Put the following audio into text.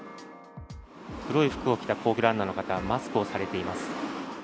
黒い服を着た皇居ランナーの方、マスクをされています。